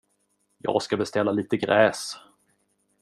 Jag ska beställa lite gräs.